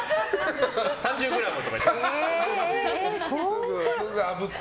３０ｇとかって。